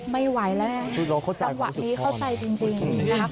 ไม่ไหวแล้วนะจังหวะนี้เข้าใจจริงนะคะ